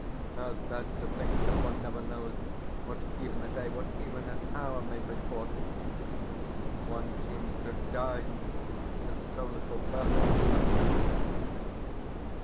How sad to think that one never knows what even a day, what even an hour, may bring forth! One seems to die to so little purpose!...